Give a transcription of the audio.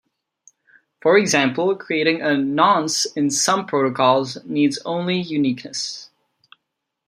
For example, creating a nonce in some protocols needs only uniqueness.